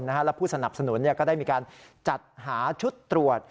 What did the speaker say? และผู้สนับสนุนก็ได้มีการจัดหาชุดตรวจ